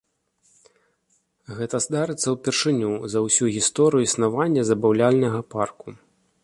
Гэта здарыцца ўпершыню за ўсю гісторыю існавання забаўляльнага парку.